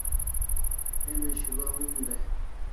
Emi shul'a onin dai